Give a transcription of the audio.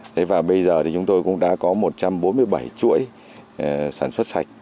thế và bây giờ thì chúng tôi cũng đã có một trăm bốn mươi bảy chuỗi sản xuất sạch